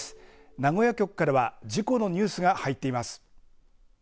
名古屋局からは事故のニュースが入っています。